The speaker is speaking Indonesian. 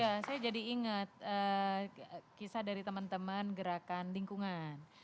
ya saya jadi ingat kisah dari teman teman gerakan lingkungan